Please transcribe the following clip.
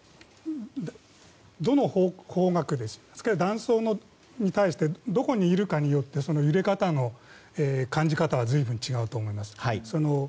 どの方角、断層に対してどこにいるかによって揺れ方の感じ方が随分違うと思います。